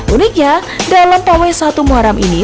uniknya dalam pawai satu muharam ini